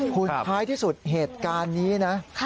คุณท้ายที่สุดเหตุการณ์นี้นะ